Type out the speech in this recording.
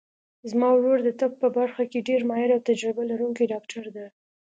زما ورور د طب په برخه کې ډېر ماهر او تجربه لرونکی ډاکټر ده